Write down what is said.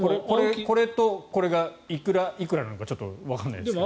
これとこれがいくらなのかちょっとわからないですが。